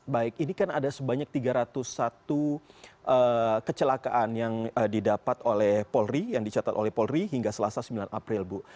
baik ini kan ada sebanyak tiga ratus satu kecelakaan yang didapat oleh polri yang dicatat oleh polri hingga selasa sembilan april bu